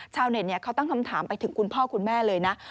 ชาวเน็ตเขาตั้งคำถามไปถึงคุณพ่อคุณแม่เลยนะ